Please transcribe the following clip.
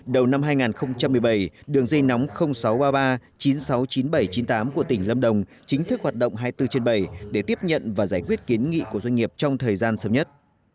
đầu năm hai nghìn một mươi bảy đường dây nóng sáu trăm ba mươi ba chín trăm sáu mươi chín nghìn bảy trăm chín mươi tám của tỉnh lâm đồng chính thức hoạt động hai mươi bốn trên bảy để tiếp nhận và giải quyết kiến nghị của doanh nghiệp trong thời gian sớm nhất